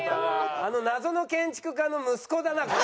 あの謎の建築家の息子だなこれ。